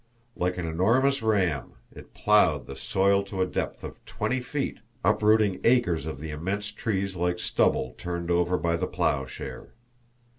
Like an enormous ram, it plowed the soil to a depth of twenty feet, uprooting acres of the immense trees like stubble turned over by the plowshare.